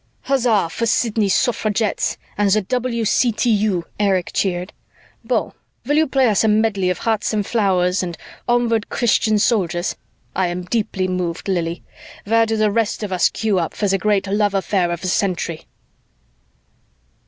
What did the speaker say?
"Hussa for Sidney's suffragettes and the W.C.T.U.!" Erich cheered. "Beau, will you play us a medley of 'Hearts and Flowers' and 'Onward, Christian Soldiers'? I'm deeply moved, Lili. Where do the rest of us queue up for the Great Love Affair of the Century?"